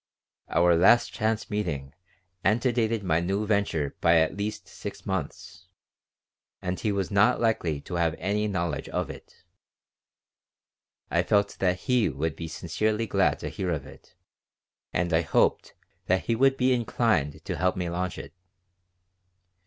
Our last chance meeting antedated my new venture by at least six months, and he was not likely to have any knowledge of it. I felt that he would be sincerely glad to hear of it and I hoped that he would be inclined to help me launch it.